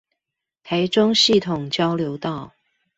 台中系統交流道